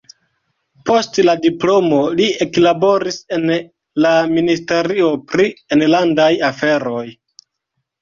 Post la diplomo li eklaboris en la ministerio pri enlandaj aferoj.